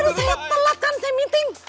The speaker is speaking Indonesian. aduh saya telat kan saya meeting